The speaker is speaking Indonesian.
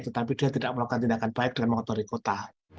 tetapi dia tidak melakukan tindakan baik dengan mengotori kota